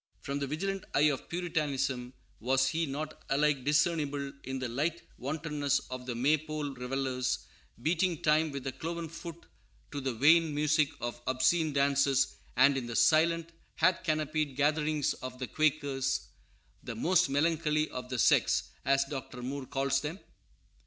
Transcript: To the vigilant eye of Puritanism was he not alike discernible in the light wantonness of the May pole revellers, beating time with the cloven foot to the vain music of obscene dances, and in the silent, hat canopied gatherings of the Quakers, "the most melancholy of the sects," as Dr. Moore calls them?